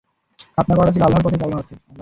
খাৎনা করাটা ছিল আল্লাহর নির্দেশ পালনার্থে।